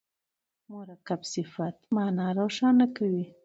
مرکب صفت مانا روښانه کوي.